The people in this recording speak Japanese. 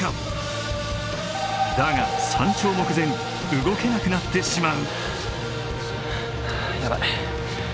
だが山頂目前動けなくなってしまう。